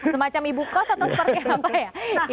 semacam ibu kos atau seperti apa ya